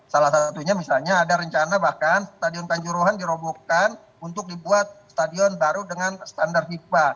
salah satunya misalnya ada rencana bahkan stadion kanjuruhan dirobohkan untuk dibuat stadion baru dengan standar fifa